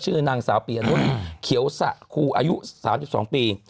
ชื่อนางสาวปียนุษย์เขียวสะครูอายุ๓๒ปี